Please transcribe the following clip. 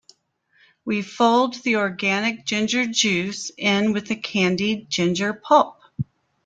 We fold the organic ginger juice in with the candied ginger pulp.